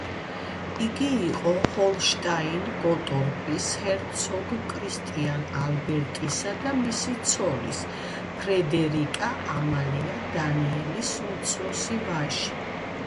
იგი იყო ჰოლშტაინ-გოტორპის ჰერცოგ კრისტიან ალბერტისა და მისი ცოლის, ფრედერიკა ამალია დანიელის უმცროსი ვაჟი.